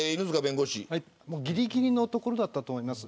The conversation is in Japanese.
ぎりぎりのところだったと思います。